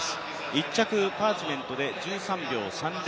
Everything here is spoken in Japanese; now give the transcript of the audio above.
１着、パーチメントで１３秒３０。